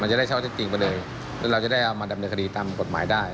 มันจะได้เช่าให้จริงไปเลยแล้วเราจะได้เอามาดำในคดีตามกฎหมายได้